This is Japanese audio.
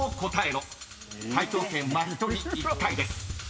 ［解答権は１人１回です］